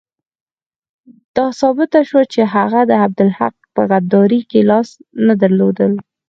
دا ثابته شوه چې هغه د عبدالحق په غداري کې لاس نه درلود.